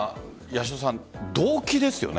動機ですよね。